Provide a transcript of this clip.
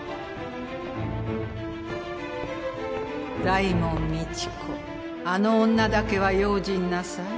大門未知子あの女だけは用心なさい。